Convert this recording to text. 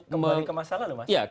kembali ke masalah lho mas